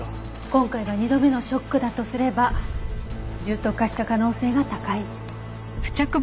今回が２度目のショックだとすれば重篤化した可能性が高い。